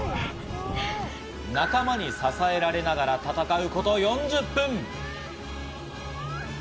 仲間に支えられながら戦うこと４０分。